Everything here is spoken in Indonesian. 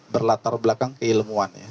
berlatar belakang keilmuan